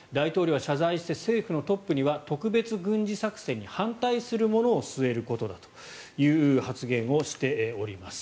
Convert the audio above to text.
大統領は謝罪し政府のトップは特別軍事作戦に反対するものを据えることだという発言をしております。